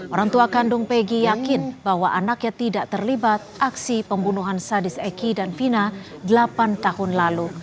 orang tua kandung peggy yakin bahwa anaknya tidak terlibat aksi pembunuhan sadis eki dan vina delapan tahun lalu